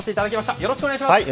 よろしくお願いします。